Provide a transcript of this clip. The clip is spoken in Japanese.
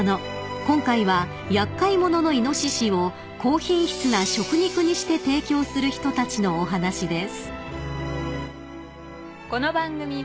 ［今回は厄介者のイノシシを高品質な食肉にして提供する人たちのお話です］